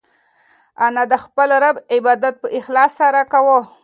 انا د خپل رب عبادت په اخلاص سره کاوه.